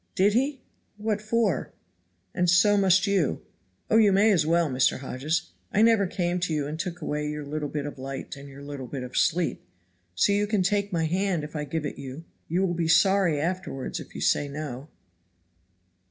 "Did he? what for?" "And so must you. Oh, you may as well, Mr. Hodges. I never came to you and took away your little bit of light and your little bit of sleep. So you can take my hand if I can give it you. You will be sorry afterward if you say no."